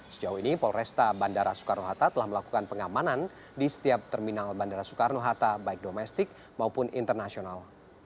sejauh ini polresta bandara soekarno hatta telah melakukan pengamanan di setiap terminal bandara soekarno hatta baik domestik maupun internasional